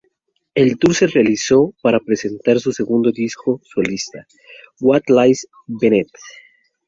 El tour se realizó para presentar su segundo disco solista, What Lies Beneath.